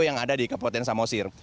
yang ada di kabupaten samosir